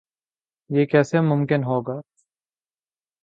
یہ کیسے ممکن ہو گا؟